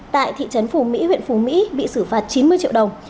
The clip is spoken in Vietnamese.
tại thị trấn phù mỹ huyện phú mỹ bị xử phạt chín mươi triệu đồng